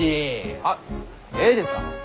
あっえいですか？